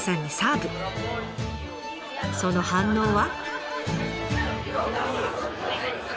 その反応は？